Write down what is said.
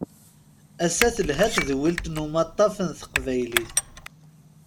Ass-a telha tedwilt n umaṭṭaf n taqbaylit.